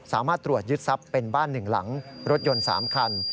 สามารถตรวจยึดทรัพย์เป็นบ้าน๑หลังรถยนต์๓คัน